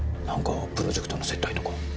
何かプロジェクトの接待とか。